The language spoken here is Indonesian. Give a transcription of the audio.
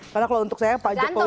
karena kalau untuk saya pak jokowi